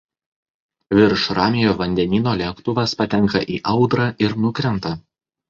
Virš Ramiojo vandenyno lėktuvas patenka į audrą ir nukrenta.